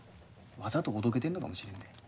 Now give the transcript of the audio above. わざとおどけてるのかもしれんで。